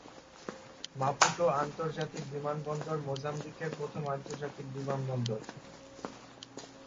মাপুটো আন্তর্জাতিক বিমানবন্দর মোজাম্বিকের প্রধান আন্তর্জাতিক বিমানবন্দর।